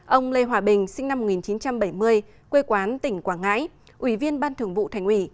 ông lê hòa bình sinh năm một nghìn chín trăm bảy mươi quê quán tỉnh quảng ngãi ủy viên ban thường vụ thành ủy